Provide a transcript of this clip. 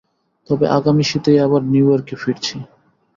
তবে আগামী শীতেই আবার নিউ ইয়র্কে ফিরছি।